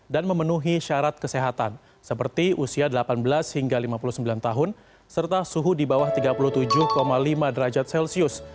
dan memenuhi syarat kesehatan seperti usia delapan belas hingga lima puluh sembilan tahun serta suhu di bawah tiga puluh tujuh lima derajat celcius